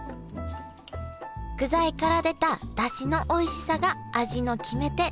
具材から出ただしのおいしさが味の決め手